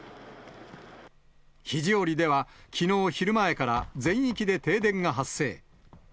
肘折では、きのう昼前から全域で停電が発生。